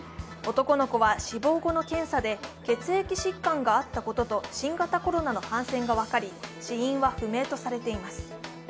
男の子は死亡後の検査で血液疾患があったことと新型コロナの感染が分かり、死因は不明とされています。